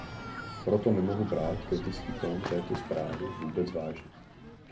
Proto nemohu brát kritický tón této zprávy vůbec vážně.